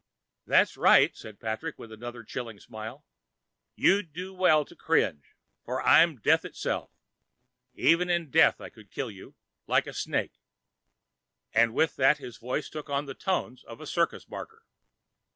"That's right," Patrick said with another chilling smile. "You do well to cringe, for I'm death itself. Even in death I could kill you, like a snake." And with that his voice took on the tones of a circus barker.